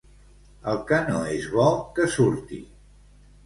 El que no és bo, que surti.